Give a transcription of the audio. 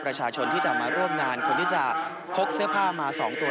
ประชาชนที่จะมาร่วมงานคนที่จะพกเสื้อผ้ามา๒ตัว